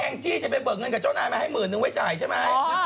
แอ้งจี้จะไปเบิกเงินกี่ช่องเป็นมาให้หมื่นหนึ่งไว้จ่ายใช่ไหม